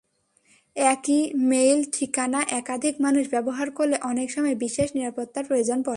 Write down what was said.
একই ই-মেইল ঠিকানা একাধিক মানুষ ব্যবহার করলে অনেক সময় বিশেষ নিরাপত্তার প্রয়োজন পড়ে।